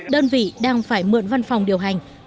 đơn vị đang phải mượn văn phòng điều hành